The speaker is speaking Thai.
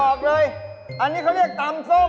บอกเลยอันนี้เขาเรียกตำส้ม